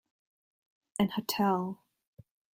An hotel